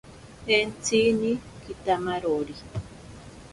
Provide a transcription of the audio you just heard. Entsini kitamarori.